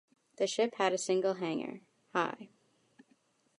The ship had a single hangar, high.